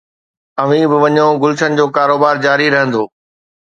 اوهين به وڃو، گلشن جو ڪاروبار جاري رهندو